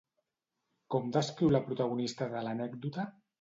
Com descriu la protagonista de l'anècdota?